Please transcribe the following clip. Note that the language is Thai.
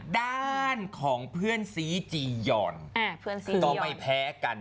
ด้านของเพื่อนสีจียอนก็ไม่แพ้กัน